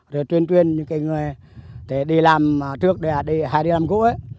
rồi truyền truyền những cái người đi làm trước hay đi làm cũ